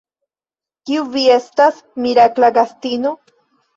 Kiu vi estas, mirakla gastino?